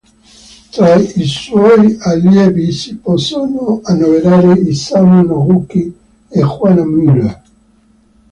Tra i suoi allievi si possono annoverare Isamu Noguchi e Juana Muller.